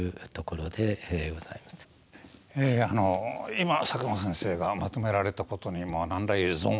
今佐久間先生がまとめられたことにまあ何ら異存はない。